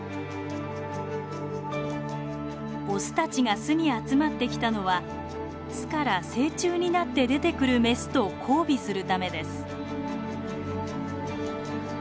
オスたちが巣に集まってきたのは巣から成虫になって出てくるメスと交尾するためです。